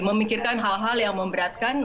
memikirkan hal hal yang memberatkan